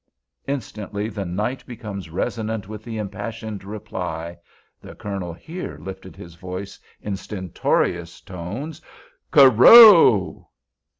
Instantly the night became resonant with the impassioned reply" (the Colonel here lifted his voice in stentorian tones), "'Kerrow.